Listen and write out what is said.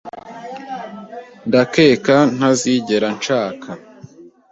Ndakeka ko ntazigera nshaka.